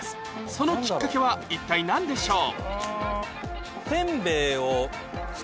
そのきっかけは一体何でしょう？